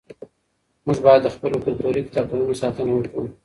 موږ باید د خپلو کلتوري کتابتونونو ساتنه وکړو.